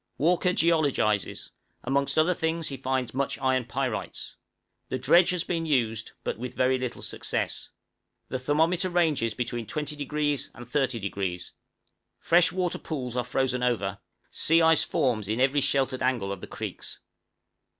Walker geologizes; amongst other things he finds much iron pyrites. The dredge has been used, but with very little success. The thermometer ranges between 20° and 30°. Fresh water pools are frozen over, sea ice forms in every sheltered angle of the creeks.